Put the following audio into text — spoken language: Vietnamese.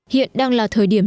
hiện đang là thời điểm